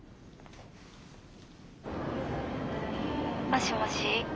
もしもし？